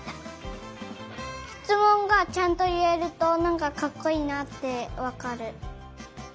しつもんがちゃんといえるとなんかかっこいいなってわかる。